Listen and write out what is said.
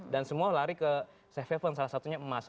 dan semua lari ke safe haven salah satunya emas